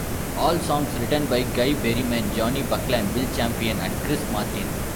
All songs written by Guy Berryman, Jonny Buckland, Will Champion and Chris Martin.